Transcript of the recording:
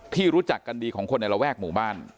ที่รู้จักกันดีของคนในระแวกหมู่บ้าน